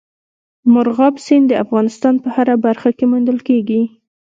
مورغاب سیند د افغانستان په هره برخه کې موندل کېږي.